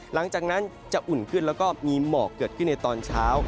หลังจากนั้นจะอุ่นขึ้นแล้วก็มีหมอกเกิดขึ้นในตอนเช้า